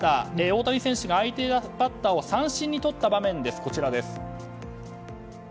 大谷選手が相手バッターを三振にとった場面です。